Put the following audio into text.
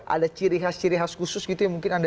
ada ciri khas ciri khas khusus gitu yang mungkin anda